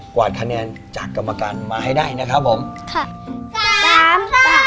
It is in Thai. กวาดคะแนนจากกรรมการมาให้ได้นะครับผม